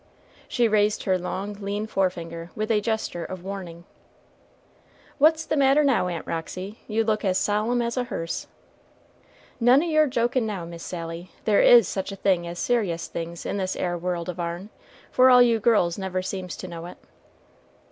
She raised her long, lean forefinger with a gesture of warning. "What's the matter now, Aunt Roxy? You look as solemn as a hearse." "None o' your jokin' now, Miss Sally; there is such a thing as serious things in this 'ere world of our'n, for all you girls never seems to know it."